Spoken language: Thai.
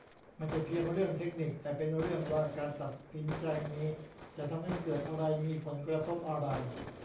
ไม่ใช่เพียงเรื่องเทคนิค แต่เป็นเรื่องว่าการตัดสินใจนี้จะทำให้เกิดอะไร มีผลกระทบอะไร